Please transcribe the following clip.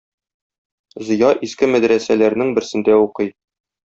Зыя иске мәдрәсәләрнең берсендә укый.